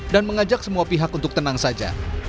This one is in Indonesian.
dan mengajak semua pihak untuk tenang saja